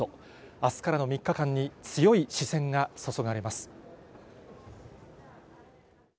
あすからの３日間に強い視線が注がれます。